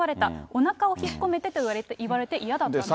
おなかを引っ込めてと言われて嫌だった。